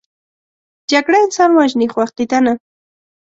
جګړه انسان وژني، خو عقیده نه